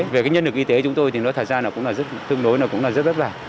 về cái nhân lực y tế chúng tôi thì nó thật ra là cũng là rất thương đối nó cũng là rất bất vả